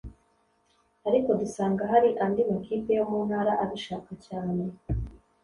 ariko dusanga hari andi makipe yo mu ntara abishaka cyane